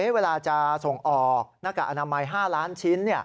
เวลาจะส่งออกหน้ากากอนามัย๕ล้านชิ้น